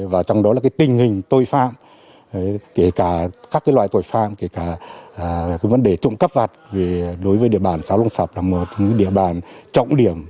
vấn đề trụng cấp vặt đối với địa bàn xã lóng sập là một địa bàn trọng điểm